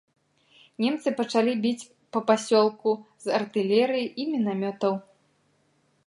Немцы пачалі біць па пасёлку з артылерыі і мінамётаў.